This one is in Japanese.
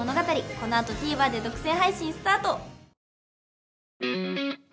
このあとＴＶｅｒで独占配信スタート！